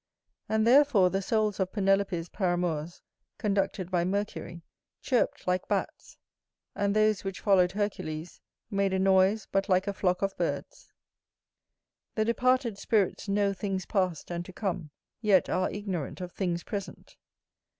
And therefore the souls of Penelope's paramours, conducted by Mercury, chirped like bats, and those which followed Hercules, made a noise but like a flock of birds. The departed spirits know things past and to come; yet are ignorant of things present.